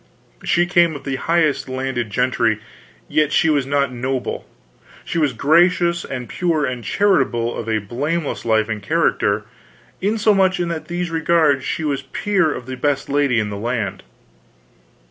"She came of the highest landed gentry, yet she was not noble; she was gracious and pure and charitable, of a blameless life and character, insomuch that in these regards was she peer of the best lady in the land."